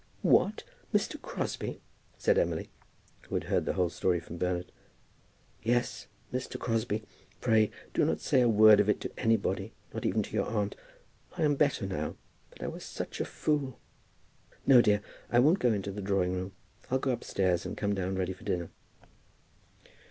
"What, Mr. Crosbie?" said Emily, who had heard the whole story from Bernard. "Yes, Mr. Crosbie; pray, do not say a word of it to anybody, not even to your aunt. I am better now, but I was such a fool. No, dear; I won't go into the drawing room. I'll go upstairs, and come down ready for dinner."